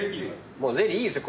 もうゼリーいいですよ